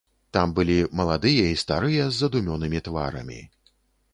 Там былі маладыя і старыя з задумёнымі тварамі.